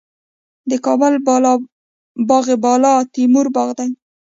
د کابل باغ بالا تیموري باغ دی